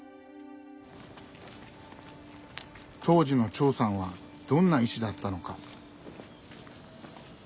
当時の長さんはどんな医師だったのか。